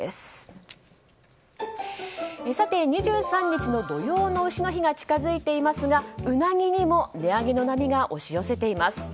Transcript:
２３日の土用の丑の日が近づいていますがウナギにも値上げの波が押し寄せています。